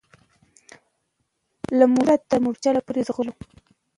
له مورچله تر مورچله پوري ځغلو